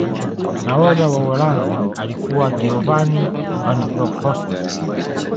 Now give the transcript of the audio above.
nahodha wa uholanzi alikuwa giovan van bronkhost